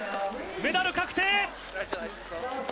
メダル確定！